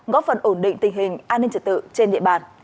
góp phần ổn định tình hình an ninh trật tự trên địa bàn